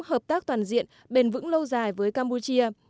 hợp tác toàn diện bền vững lâu dài với campuchia